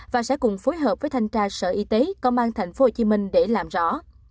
và sẽ cùng phối hợp với thanh tra sở y tế công an thành phố hồ chí minh để làm rõ